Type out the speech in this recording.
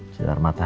di yang asli